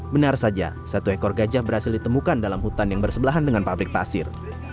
benar saja satu ekor gajah berhasil ditemukan dalam hutan yang bersebelahan dengan pabrik pasir